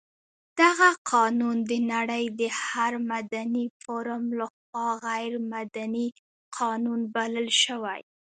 دغه قانون د نړۍ د هر مدني فورم لخوا غیر مدني قانون بلل شوی.